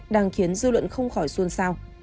đang khiến dư luận không khỏi xuôn sao